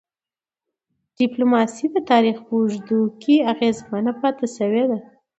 ډيپلوماسي د تاریخ په اوږدو کي اغېزمنه پاتې سوی ده.